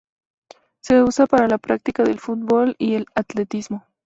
Se usa para la práctica del fútbol y el atletismo.